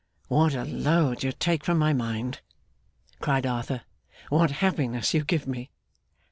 'What a load you take from my mind!' cried Arthur. 'What happiness you give me!